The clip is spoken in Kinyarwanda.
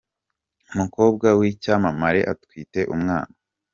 Umukobwa wicyamamare atwite umwana